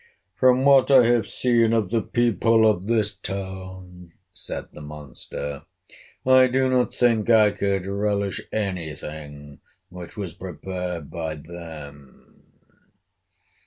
"From what I have seen of the people of this town," said the monster, "I do not think I could relish any thing which was prepared by them.